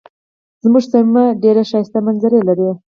زمونږ سیمه ډیرې ښایسته منظرې لري.